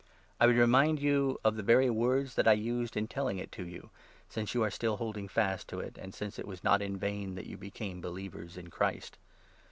I would remind you of the very words that I used in telling it to you, since you are still holding fast to it, and since it was not in vain that you became believers in Christ.